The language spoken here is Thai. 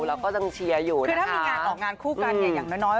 เราก็ต้องเชียร์อยู่นะคะคือถ้ามีงานต่องานคู่กันอย่างอย่างน้อยน้อย